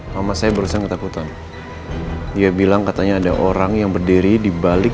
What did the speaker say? mama saya barusan ketakutan dia bilang katanya ada orang yang berdiri di balik